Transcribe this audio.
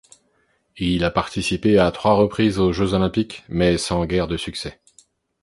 Il a participé à trois reprises aux Jeux olympiques, mais sans guère de succès.